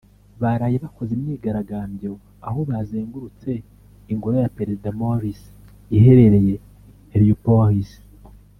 baraye bakoze imyigaragambyo aho bazengurutse ingoro ya perezida Morsi iherereye Héliopolis